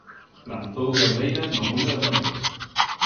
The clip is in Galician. Plantou cerdeiras no cume do noiro.